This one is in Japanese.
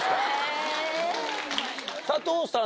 佐藤さん